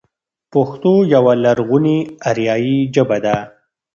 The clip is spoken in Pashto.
پښتو يوه لرغونې آريايي ژبه ده.